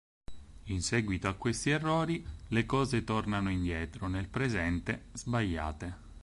In seguito a questi errori, le cose tornano indietro, nel presente, "sbagliate".